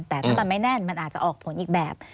แต่ถ้ามันไม่แน่นมันอาจจะออกผลอีกแบบ